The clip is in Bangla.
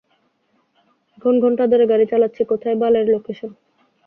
এখন ঘন্টা ধরে গাড়ি চালাচ্ছি, কোথায় বালের লোকেশন?